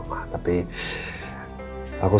aku sudah berpikir